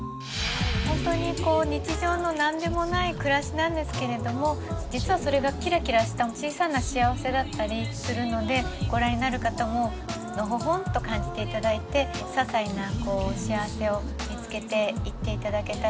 本当にこう日常の何でもない暮らしなんですけれども実はそれがキラキラした小さな幸せだったりするのでご覧になる方ものほほんと感じて頂いてささいな幸せを見つけていって頂けたらなっていうふうに思ってます。